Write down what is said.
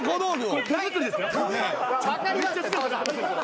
これ手作りですよ。